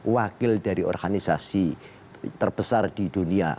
wakil dari organisasi terbesar di dunia